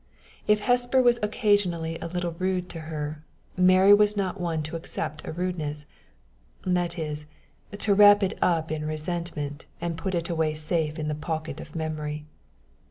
If Hesper was occasionally a little rude to her, Mary was not one to accept a rudeness that is, to wrap it up in resentment, and put it away safe in the pocket of memory.